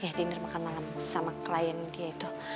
ya diner makan malam sama klien dia itu